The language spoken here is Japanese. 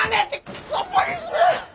クソポリス！